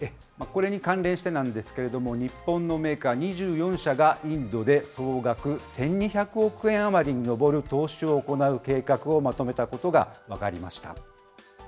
これに関連してなんですけれども、日本のメーカー２４社がインドで総額１２００億円余りに上る投資を行う計画をまとめたことが分かりました。